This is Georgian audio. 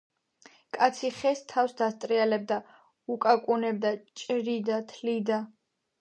კაცი ხეს თავს დასტრიალებდა, უკაკუნებდა, ჭრიდა, თლიდა: